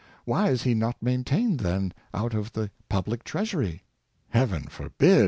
^ Why is he not maintained, then, out of the public treasury.^ "" Heaven forbid!